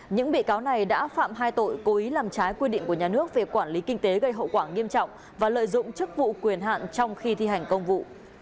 những bị cáo này đã phạm hai tội cố ý làm trái quy định của nhà nước về quản lý kinh tế gây hậu quả nghiêm trọng và lợi dụng chức vụ quyền hạn trong khi thi hành công vụ